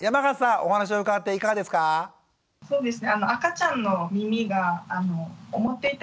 お話を伺っていかがですか？